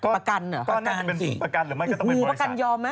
ประกันเหรอประกันกี่อุ้ยประกันยอมไหมต้องยอม